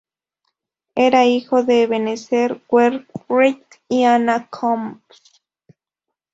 Era hijo de Ebenezer Wheelwright y Anna Coombs.